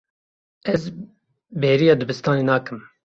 Ez bêriya dibistanê nakim.